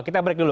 kita break dulu